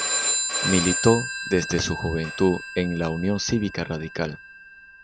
Militó desde su juventud en la Unión Cívica Radical.